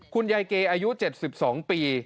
คุณยายเกย์อายุ๗๒ปี